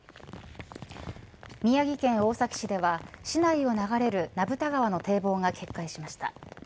宮城県大崎市では市内を流れる名蓋川の堤防が決壊しました。